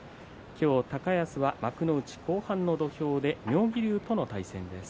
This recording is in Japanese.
今日、高安は幕内後半の土俵で妙義龍との対戦です。